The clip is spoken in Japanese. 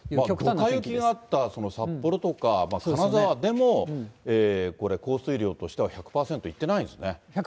ドカ雪になった札幌とか金沢でも、これ、降水量としては１００％いってないんですね。